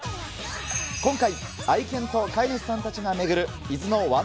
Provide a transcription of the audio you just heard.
今回、愛犬と飼い主さんたちが巡る伊豆のワン！